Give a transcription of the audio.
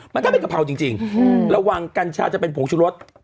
มันถ้าเป็นกะเพราจริงระวังกัญชาจะเป็นผงชุรส